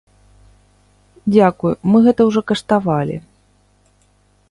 Дзякуй, мы гэта ўжо каштавалі.